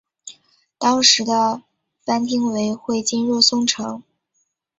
当时的藩厅为会津若松城。